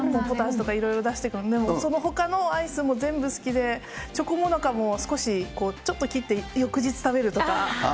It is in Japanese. いろいろ出してくるので、そのほかのアイスも全部好きで、チョコモナカも少しちょっと切って、翌日食べるとか。